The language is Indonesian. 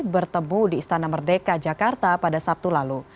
bertemu di istana merdeka jakarta pada sabtu lalu